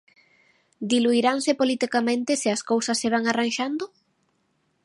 Diluiranse politicamente se as cousas se van arranxando?